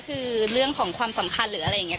คือเรื่องของความสำคัญหรืออะไรอย่างนี้